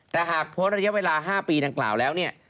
แต่หากพ้นระยะเวลา๕ปีดังกล่าวแล้วเนี่ย